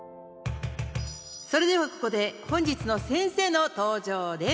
それではここで本日の先生の登場です。